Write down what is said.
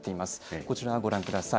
こちらをご覧ください。